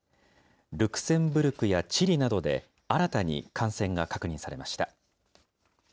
ルクセンブルクやチリなどで新たに感染が確認されました。